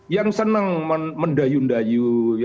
yang senang mendayu ndayu